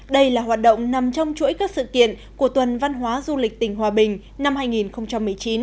đây là hoạt động nằm trong chuỗi các sự kiện của tuần văn hóa du lịch tỉnh hòa bình năm hai nghìn một mươi chín